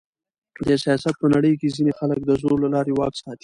د سیاست په نړۍ کښي ځينې خلک د زور له لاري واک ساتي.